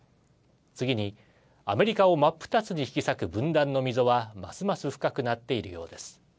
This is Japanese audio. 次に、アメリカを真っ二つに引き裂く分断の溝はますます深くなっているようです。